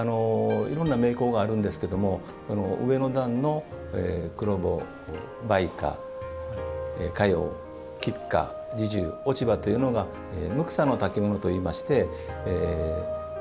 いろんな名香があるんですが上の段の、黒方梅花、荷葉菊花、侍従、落ち葉というのが六種のたきものといいまして。